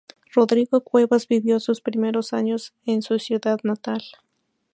Rodrigo Cuevas vivió sus primeros años en su ciudad natal.